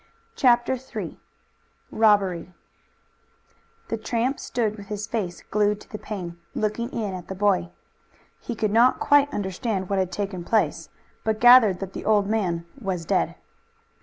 CHAPTER III ROBBERY The tramp stood with his face glued to the pane, looking in at the boy. He could not quite understand what had taken place, but gathered that the old man was dead.